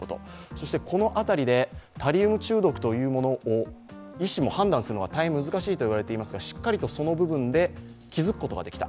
そしてこの辺りで、タリウム中毒というものを医師も判断するのが大変難しいと言われていますがしっかりとその部分で気づくことができた。